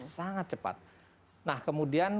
sangat cepat nah kemudian